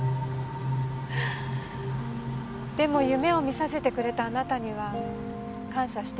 でも夢を見させてくれたあなたには感謝しています。